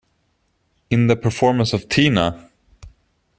In the performance of Tina!